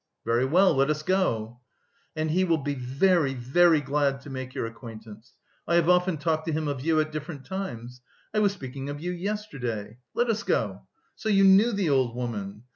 "Very well, let us go." "And he will be very, very glad to make your acquaintance. I have often talked to him of you at different times. I was speaking of you yesterday. Let us go. So you knew the old woman?